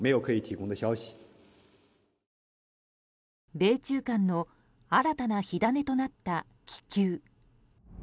米中間の新たな火種となった気球。